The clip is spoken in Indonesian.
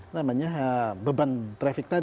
namanya beban traffic